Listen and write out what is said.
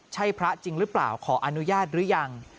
ใช่พระจริงหรือเปล่าขออนุญาตหรือยัง